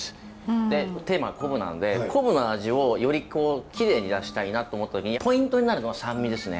テーマは昆布なので昆布の味をよりこうきれいに出したいなと思った時にポイントになるのは酸味ですね。